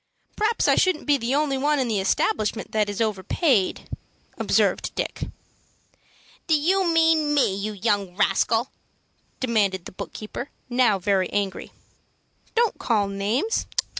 "P'r'aps I shouldn't be the only one in the establishment that is overpaid," observed Dick. "Do you mean me, you young rascal?" demanded the book keeper, now very angry. "Don't call names.